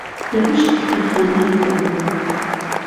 لە پشت کتێبخانەیەکدا بوو